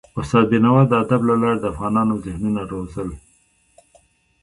استاد بينوا د ادب له لارې د افغانونو ذهنونه روزل.